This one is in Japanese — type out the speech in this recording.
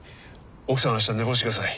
奥さんは明日寝坊してください。